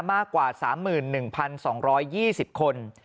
มากกว่า๓๑๒๒๐คน